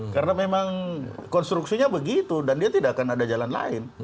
karena memang konstruksinya begitu dan dia tidak akan ada jalan lain